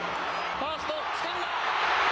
ファースト、つかんだ。